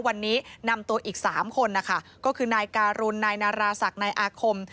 วันนี้นำตัวอีก๓คนนะคะก็คือนายการุณนายนาราศักดิ์นายอาคม